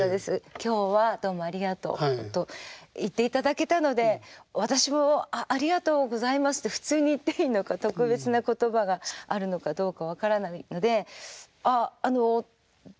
「今日はどうもありがとう」と言っていただけたので私も「ありがとうございます」って普通に言っていいのか特別な言葉があるのかどうか分からないので「あっあのどうぞ！」みたいな。